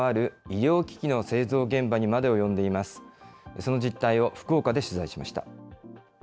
その実態を福岡で取材しました。